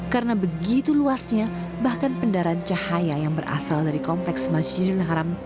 karena begitu luasnya bahkan pendaraan cahaya yang berasal dari kompleks masjidul haram